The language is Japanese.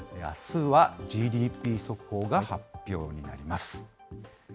あすはＧＤＰ速報が発表になります。